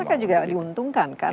dan mereka juga diuntungkan kan